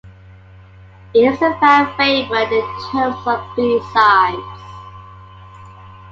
It is a fan-favourite in terms of B-sides.